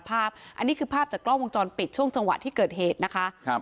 ภาพอันนี้คือภาพจากกล้องวงจรปิดช่วงจังหวะที่เกิดเหตุนะคะครับ